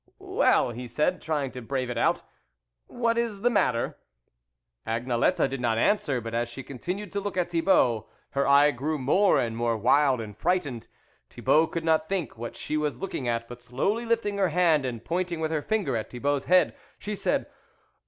" Well " he said, trying to brave it out, " what is the matter ?" Agnelette did not answer, but as she continued to look at Thibault, her eye grew more and more wild and frightened. Thibault could not think what she was looking at, but slowly lifting her hand and pointing with her finger at Thibault's head, she said.